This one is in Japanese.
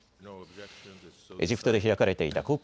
エジプトで開かれていたＣＯＰ